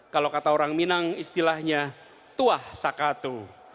kalau kata orang minang istilahnya tuah sakatu